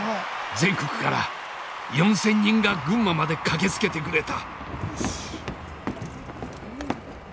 全国から４，０００人が群馬まで駆けつけてくれた。